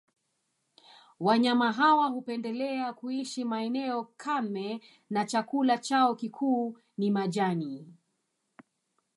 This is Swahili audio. Wanyama hawa hupendelea kuishi maeneo kame na chakula chao kikuu ni majani